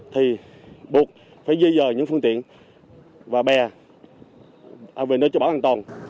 thì buộc phải di rời những phương tiện và bè về nơi trú bão an toàn